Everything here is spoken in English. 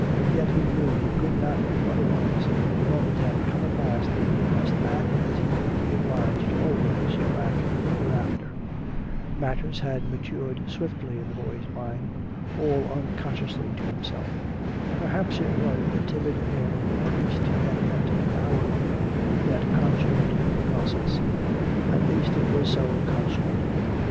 Yet he knew he could do no otherwise; the moment had come at last and he must act as he would be obliged always to act hereafter. Matters had matured swiftly in the boy's mind, all un consciously to himself. Perhaps it was the timid air of the priest he had met an hour ago that consummated the process. At least it was so consummated.